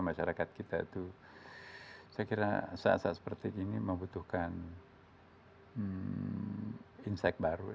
masyarakat kita itu saya kira saat saat seperti ini membutuhkan insight baru ya